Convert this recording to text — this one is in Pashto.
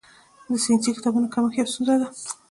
د ساینسي کتابونو کمښت یوه ستونزه ده.